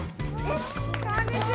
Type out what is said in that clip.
こんにちは。